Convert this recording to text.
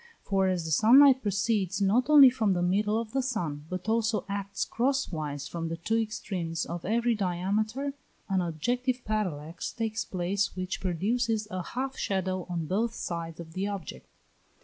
For as the sun light proceeds not only from the middle of the sun, but also acts cross wise from the two extremes of every diameter, an objective parallax takes place which produces a half shadow on both sides of the object.